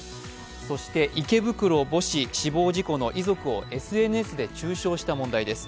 そして池袋母子死亡事故の遺族をＳＮＳで中傷した問題です。